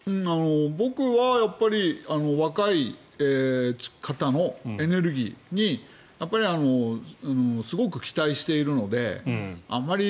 僕は若い方のエネルギーにすごく期待しているのであまり